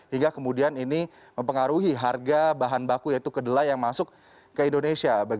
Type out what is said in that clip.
hingga kemudian ini mempengaruhi harga bahan baku yaitu kedelai yang masuk ke indonesia